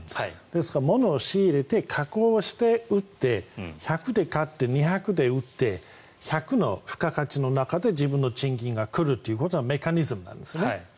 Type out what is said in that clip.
ですから物を仕入れて加工して売って１００で買って２００で売って１００の付加価値の中で自分の賃金が来るというメカニズムなんです。